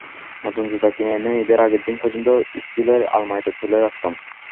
নতুন জুতা কিনে ঈদের আগের দিন পর্যন্ত স্টিলের আলমারিতে তুলে রাখতাম।